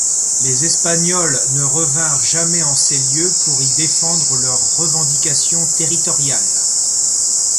Les Espagnols ne revinrent jamais en ces lieux, pour y défendre leur revendication territoriale.